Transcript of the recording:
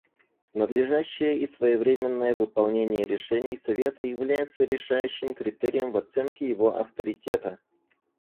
Надлежащее и своевременное выполнение решений Совета является решающим критерием в оценке его авторитета.